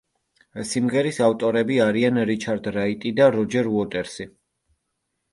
სიმღერის ავტორები არიან რიჩარდ რაიტი და როჯერ უოტერსი.